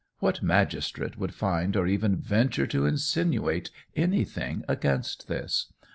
What magistrate would find or even venture to insinuate anything against this?